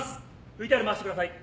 ＶＴＲ回してください。